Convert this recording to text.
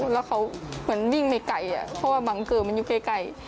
แล้วเขาเหมือนวิ่งไม่ไกลเพราะว่าบังเกอร์มันอยู่ไกล